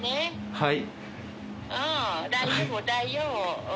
はい。